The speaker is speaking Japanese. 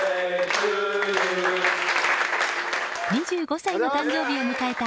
２５歳の誕生日を迎えた